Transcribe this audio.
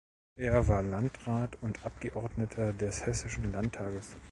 Er war Landrat und Abgeordneter des Hessischen Landtags.